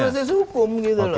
ya siap proses hukum